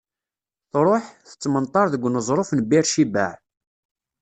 Tṛuḥ, tettmenṭar deg uneẓruf n Bir Cibaɛ.